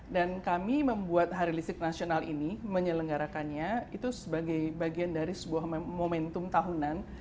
dan kami membuat hari listrik nasional ini menyelenggarakannya itu sebagai bagian dari sebuah momentum tahunan